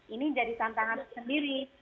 ini jadi tantangan sendiri